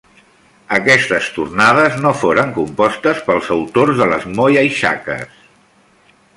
Aquestes tornades no foren compostes pels autors de les moaixakhes.